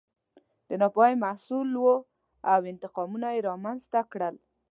د ناپوهۍ محصول و او انتقامونه یې رامنځته کړل.